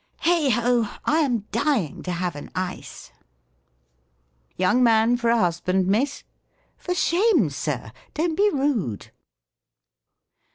" Heigho ! I am dying to have an ice —" Young man for a husband. Miss ? For shame. Sir ! don't be rude